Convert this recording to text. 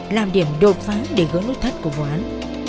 làm điểm đột phán để gỡ nốt thách của vụ án